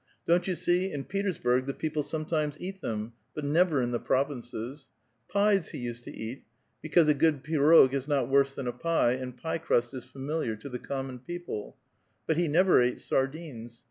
Don't you see, in Petersburg the people some times eat them, but never in the provinces. Pies he jsed to eat, *' because a good pirog is not woree than a pie, and pie crust is familiar to the common people"; biit tie never ate sardines.